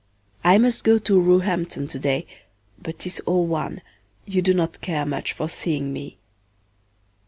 I must go to Roehampton to day, but 'tis all one, you do not care much for seeing me.